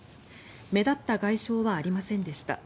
目立った外傷はありませんでした。